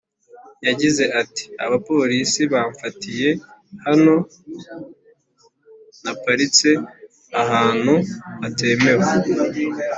Yagize ati “Abapolisi bamfatiye hano na paritse ahanntu hatemewe